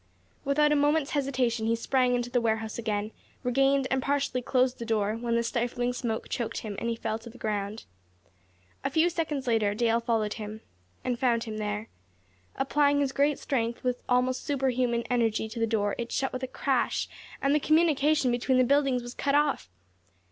Without a moment's hesitation, he sprang into the warehouse again; regained and partially closed the door, when the stifling smoke choked him, and he fell to the ground. A few seconds later, Dale followed him, and found him there. Applying his great strength with almost superhuman energy to the door, it shut with a crash, and the communication between the buildings was cut off!